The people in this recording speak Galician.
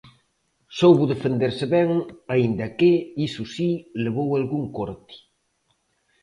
Soubo defenderse ben aínda que, iso si, levou algún corte.